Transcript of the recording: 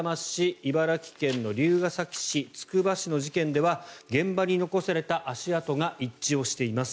茨城県の龍ケ崎市、つくば市の事件では現場に残された足跡が一致をしています。